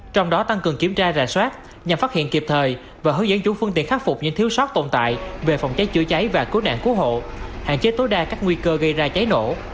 trong đó tăng cường kiểm tra rà soát nhằm phát hiện kịp thời và hướng dẫn chủ phương tiện khắc phục những thiếu sót tồn tại về phòng cháy chữa cháy và cứu nạn cứu hộ hạn chế tối đa các nguy cơ gây ra cháy nổ